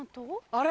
あれ？